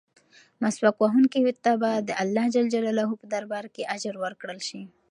مسواک وهونکي ته به د اللهﷻ په دربار کې اجر ورکړل شي.